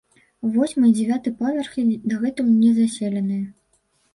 Восьмы і дзевяты паверхі дагэтуль незаселеныя.